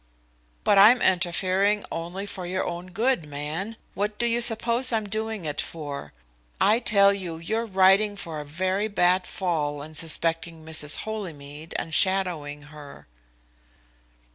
"But I'm interfering only for your own good, man! What do you suppose I'm doing it for? I tell you you're riding for a very bad fall in suspecting Mrs. Holymead and shadowing her."